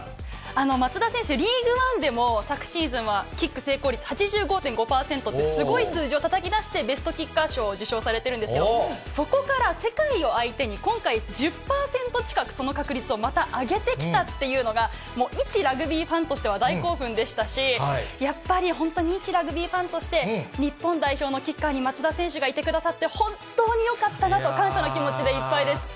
松田選手、リーグワンでも昨シーズンはキック成功率８５．５％って、すごい数字をたたき出して、ベストキッカー賞を受賞されてるんですけど、そこから世界を相手に、今回１０％近く、その確率をまた上げてきたっていうのが、一ラグビーファンとしては大興奮でしたし、やっぱり本当に、一ラグビーファンとして、日本代表のキッカーに松田選手がいてくださって、本当によかったなと、感謝の気持ちでいっぱいです。